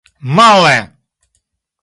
Male!